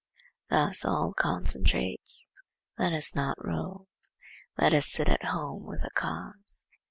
Thus all concentrates: let us not rove; let us sit at home with the cause.